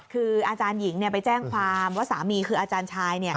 คืออาจารย์หญิงไปแจ้งความว่าสามีคืออาจารย์ชาย